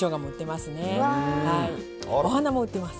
お花も売ってます。